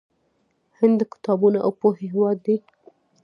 هند د کتابونو او پوهې هیواد دی.